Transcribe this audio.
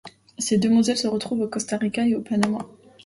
Ces demoiselles se retrouvent au Costa Rica et au Panama.